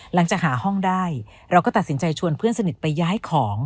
หลังจากหาห้องได้เราก็ตัดสินใจชวนเพื่อนสนิทไปย้ายของ